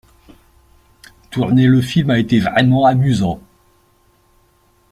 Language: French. Tourner le film a été vraiment amusant.